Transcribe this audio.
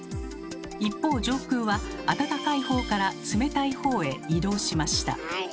一方上空はあたたかいほうから冷たいほうへ移動しました。